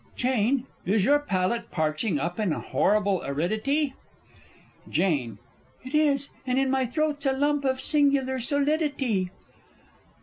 _ Jane, is your palate parching up in horrible aridity? Jane. It is, and in my throat's a lump of singular solidity.